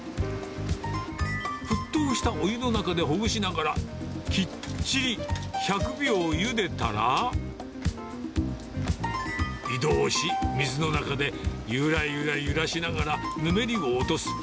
沸騰したお湯の中でほぐしながら、きっちり１００秒ゆでたら、移動し、水の中でゆらゆら揺らしながらぬめりを落とす。